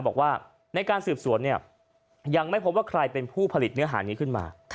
บอกว่าในการสืบสวนเนี่ยยังไม่พบว่าใครเป็นผู้ผลิตเนื้อหานี้ขึ้นมา